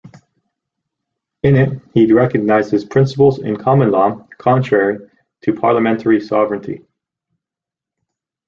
In it he recognises principles in common law contrary to parliamentary sovereignty.